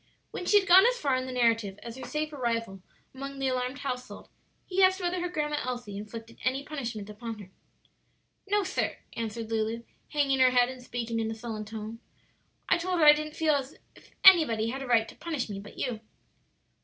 When she had gone as far in the narrative as her safe arrival among the alarmed household, he asked whether her Grandma Elsie inflicted any punishment upon her. "No, sir," answered Lulu, hanging her head and speaking in a sullen tone. "I told her I didn't feel as if anybody had any right to punish me but you."